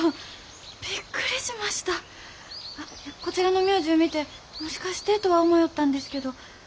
こちらの名字ゅう見てもしかしてとは思よったんですけど。